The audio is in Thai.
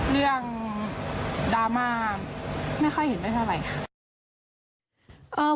เรื่องดราม่าไม่ค่อยเห็นได้เท่าไหร่